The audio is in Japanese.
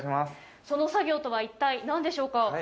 その作業とは一体なんでしょうか。